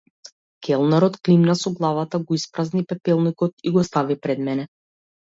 Келнерот климна со главата, го испразни пепелникот и го стави пред мене.